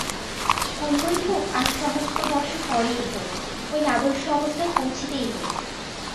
কল্যই হউক, আর সহস্র বর্ষ পরেই হউক, ঐ আদর্শ অবস্থায় পৌঁছিতেই হইবে।